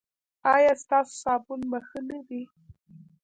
ایا ستاسو صابون به ښه نه وي؟